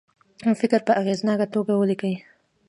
فکر په اغیزناکه توګه ولیکي.